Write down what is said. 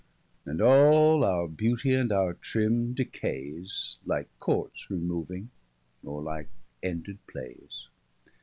And all our beauty, and our trimme, decayes, Like courts removing, or like ended playes.